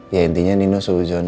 ya intinya nino seujuan